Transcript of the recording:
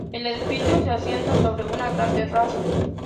El edificio se asienta sobre una gran terraza.